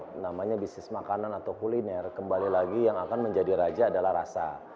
tapi sekarang kita tahu bisnis makanan atau kuliner yang akan menjadi raja adalah rasa